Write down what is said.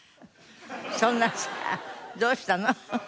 そんなさどうしたの？